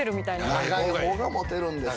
長い方がモテるんです。